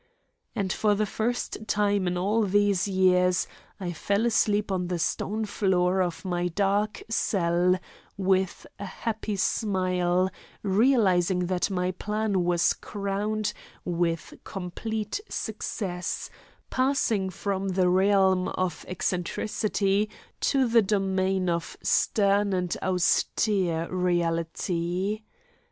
And for the first time in all these years I fell asleep on the stone floor of my dark cell with a happy smile, realising that my plan was crowned with complete success, passing from the realm of eccentricity to the domain of stern and austere reality.